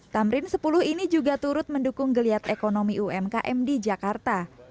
tamrin sepuluh ini juga turut mendukung geliat ekonomi umkm di jakarta